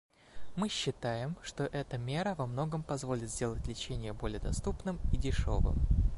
Мы считаем, что эта мера во многом позволит сделать лечение более доступным и дешевым.